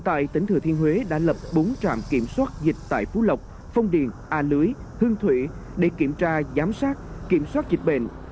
tại tỉnh thừa thiên huế đã lập bốn trạm kiểm soát dịch tại phú lộc phong điền a lưới hương thủy để kiểm tra giám sát kiểm soát dịch bệnh